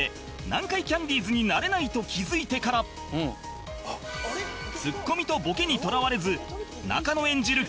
南海キャンディーズになれないと気付いてからツッコミとボケにとらわれず中野演じる